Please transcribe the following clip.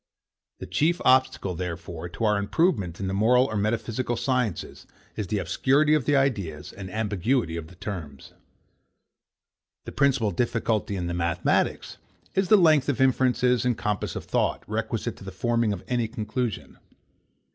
The chief obstacle, therefore, to our improvement in the moral or metaphysical sciences is the obscurity of the ideas, and ambiguity of the terms. The principal difficulty in the mathematics is the length of inferences and compass of thought, requisite to the forming of any conclusion.